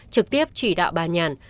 trực tiếp chỉ đạo bà nhàn